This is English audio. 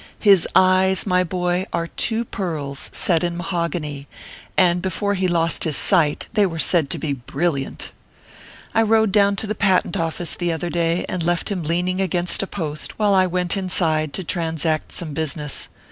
His eyes, my boy, are two pearls, set in mahogany, and before he lost his sight, they were said to be brilliant. I rode down to the Patent Office, the other day, and left him leaning against a post, while I went inside to transact some business.